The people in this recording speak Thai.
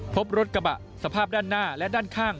พบรถกระบะสภาพด้านหน้าและด้านข้าง